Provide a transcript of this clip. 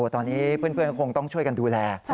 ตอนนี้เพื่อนก็คงต้องช่วยกันดูแล